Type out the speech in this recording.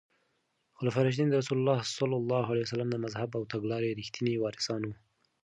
خلفای راشدین د رسول الله ص د مذهب او تګلارې رښتیني وارثان وو.